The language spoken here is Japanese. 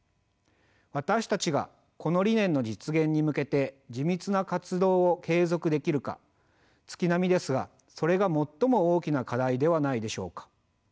私たちがこの理念の実現に向けて地道な活動を継続できるか月並みですがそれが最も大きな課題ではないでしょうか。